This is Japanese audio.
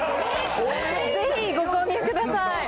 ぜひご購入ください。